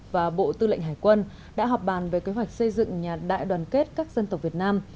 và bộ tư lệnh hải quân đã họp bàn về kế hoạch xây dựng nhà đại đoàn kết các dân tộc việt nam